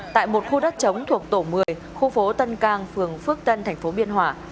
tại một khu đất chống thuộc tổ một mươi khu phố tân cang phương phước tân tp biên hòa